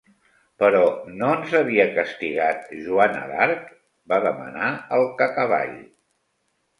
Però no ens havia castigat Joana d'Arc? —va demanar el Cacavall.